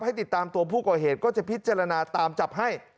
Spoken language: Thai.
ให้ติดตามตัวผู้ก่อเหตุก็จะพิจารณาตามจับให้